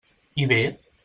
I bé?